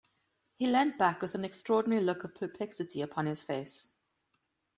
He leant back with an extraordinary look of perplexity upon his face.